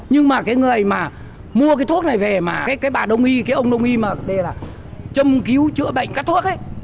nhưng mà cái người mà mua cái thuốc này về mà cái bà đông y cái ông đông y mà đây là châm cứu chữa bệnh các thuốc ấy